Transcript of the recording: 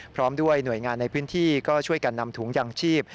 พร้อมด้วยหน่วยงานในพื้นที่ก็ช่วยกันนำถุงยางชีพ